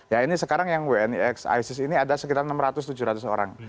ya ini sekarang yang wni x isis ini ada sekitar enam ratus tujuh ratus orang